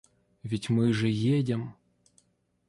— Ведь мы же едем.